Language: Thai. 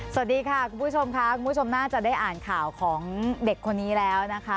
สวัสดีค่ะคุณผู้ชมค่ะคุณผู้ชมน่าจะได้อ่านข่าวของเด็กคนนี้แล้วนะคะ